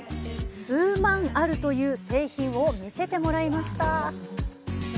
数万あるという製品を見せてもらいました。